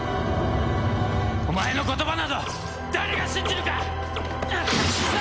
お前の言葉など誰が信じるか！